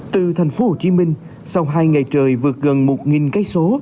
từ thành phố hồ chí minh sau hai ngày trời vượt gần một km